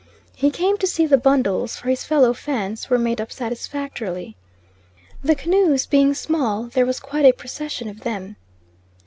He came to see the bundles for his fellow Fans were made up satisfactorily. The canoes being small there was quite a procession of them.